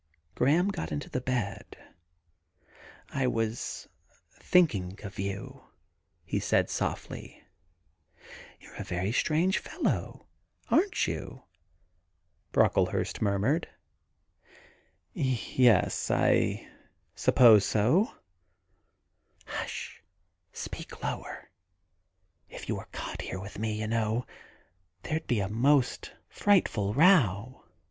Graham got into the bed. ' I was thinking of you,' he said softly. * You 're a very strange fellow — aren't you ?* Brocklehurst murmured. * Yes ; I suppose so.' c 88 THE GARDEN GOD * Hush ! Speak lower. If you were caught here with me, you know, there 'd be the most frightful row.